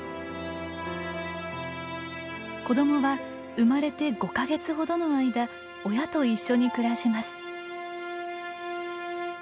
子どもは生まれて５か月ほどの間親と一緒に暮らします。